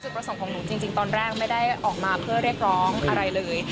ประสงค์ของหนูจริงตอนแรกไม่ได้ออกมาเพื่อเรียกร้องอะไรเลย